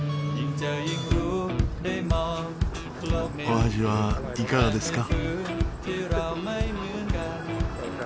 お味はいかがですか？